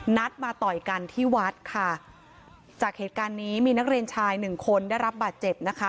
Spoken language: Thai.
นัดมาต่อยกันที่วัดค่ะจากเหตุการณ์นี้มีนักเรียนชายหนึ่งคนได้รับบาดเจ็บนะคะ